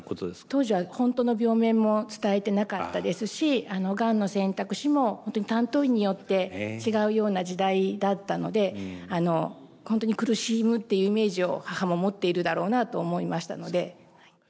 当時は本当の病名も伝えてなかったですしがんの選択肢も本当に担当医によって違うような時代だったので本当に苦しむっていうイメージを母も持っているだろうなと思いましたので。